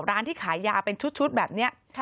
ร้านที่ขายยาเป็นชุดแบบนี้